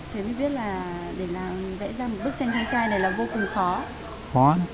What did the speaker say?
thế mới biết là để vẽ ra một bức tranh chàng trai này là vô cùng khó